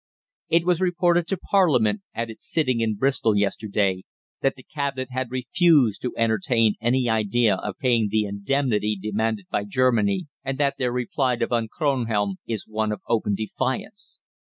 It was reported to Parliament at its sitting at Bristol yesterday that the Cabinet had refused to entertain any idea of paying the indemnity demanded by Germany, and that their reply to Von Kronhelm is one of open defiance.